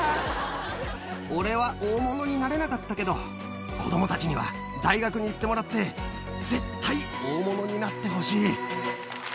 俺は大物になれなかったけど、子どもたちには大学に行ってもらって、絶対大物になってほしい。